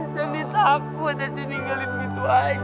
sani takut aku tinggalin gitu aja